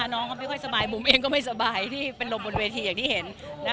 น้องเขาไม่ค่อยสบายบุ๋มเองก็ไม่สบายที่เป็นลมบนเวทีอย่างที่เห็น